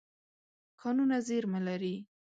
کانونه زیرمه لري.